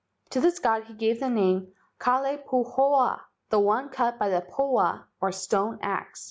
To this god he gave the name Kalai pahoa (The one cut by the pahoa or stone axe).